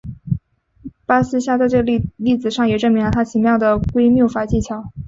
巴斯夏在这个例子上也证明了他巧妙的归谬法技巧。